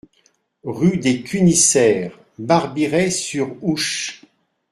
Rue des Cunisseres, Barbirey-sur-Ouche